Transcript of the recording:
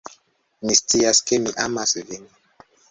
Mi scias ke mi amas vin.